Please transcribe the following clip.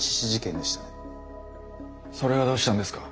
それがどうしたんですか。